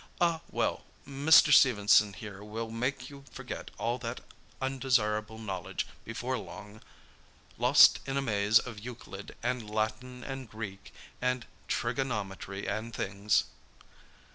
"Ah, well, Mr. Stephenson here will make you forget all that undesirable knowledge before long—lost in a maze of Euclid, and Latin, and Greek, and trigonometry, and things!"